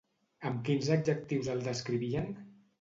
Amb quins adjectius el descrivien?